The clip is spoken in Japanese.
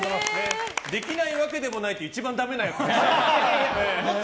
できないわけでもないという一番ダメなやつ。